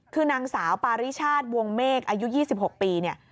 คือนางสาวปาริชาติวงเมฆอายุ๒๖ปีเนี่ย